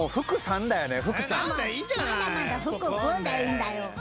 まだまだ福君でいいんだよ。